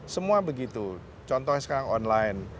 semua begitu contohnya sekarang online